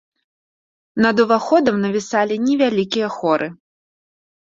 Над уваходам навісалі невялікія хоры.